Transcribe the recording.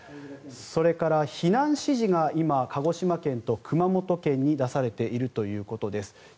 それから避難指示が今、鹿児島県と熊本県に出されているということです。